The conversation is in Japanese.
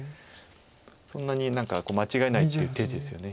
そんなに何か間違えないっていう手ですよね